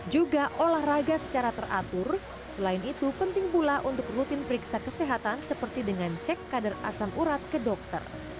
juga olahraga secara teratur selain itu penting pula untuk rutin periksa kesehatan seperti dengan cek kadar asam urat ke dokter